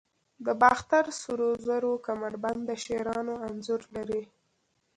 د باختر سرو زرو کمربند د شیرانو انځور لري